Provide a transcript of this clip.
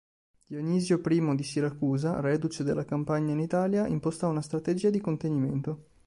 Dionisio I di Siracusa, reduce dalla campagna in Italia, impostò una strategia di contenimento.